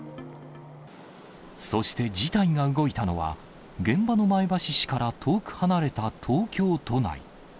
そして事態が動いたのは、現場の前橋市から遠く離れた東京都内。